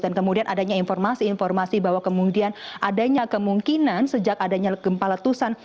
dan kemudian adanya informasi informasi bahwa kemudian adanya kemungkinan sejak adanya gempa letusan